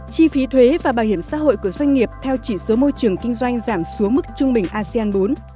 chi phí thuế và bảo hiểm xã hội của doanh nghiệp theo chỉ số môi trường kinh doanh giảm xuống mức trung bình asean bốn